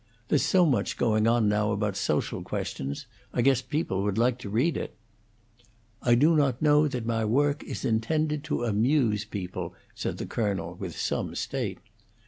There's so much going on now about social questions; I guess people would like to read it." "I do not know that my work is intended to amuse people," said the Colonel, with some state.